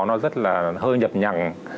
nó rất là hơi nhập nhặng